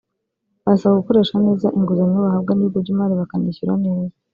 barasabwa gukoresha neza inguzanyo bahabwa n’ibigo by’imari bakanishyura neza